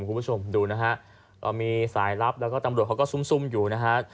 คุณผู้ชมดูนะฮะก็มีสายลับแล้วก็ตำรวจเขาก็ซุ่มซุ่มอยู่นะฮะ